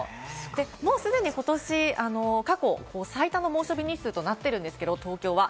もう既にことし、過去最多の猛暑日日数となってるんですけど、東京は。